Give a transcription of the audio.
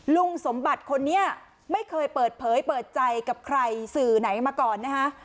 ลุงสมบัติคนนี้ไม่เคยเปิดเผยเปิดใจกับใครสื่อไหนมาก่อนนะคะ